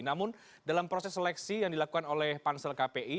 namun dalam proses seleksi yang dilakukan oleh pansel kpi